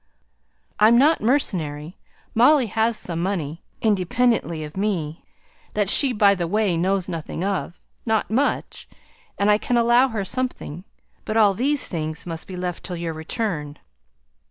I'm not mercenary, Molly has some money independently of me, that she by the way knows nothing of, not much; and I can allow her something. But all these things must be left till your return."